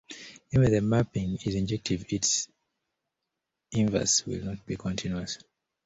Even if the mapping is injective its inverse will not be continuous.